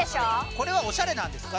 これはおしゃれなんですか？